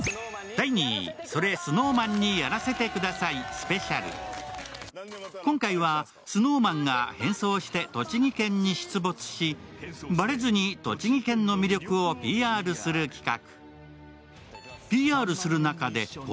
ＳＮＳには今回はＳｎｏｗＭａｎが変装して栃木県に出没し、ばれずに栃木県の魅力をＰＲする企画。